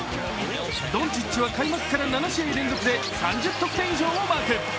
ドンチッチは、開幕から７試合連続で３０得点以上をマーク。